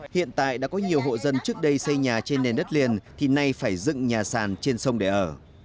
hiện tại đã có nhiều hộ dân trước đây xây nhà trên nền đất liền thì nay phải dựng nhà sàn trên sông để ở